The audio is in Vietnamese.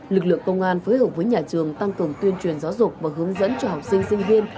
lực lượng công an phối hợp với nhà trường tăng cường tuyên truyền giáo dục và hướng dẫn cho học sinh sinh viên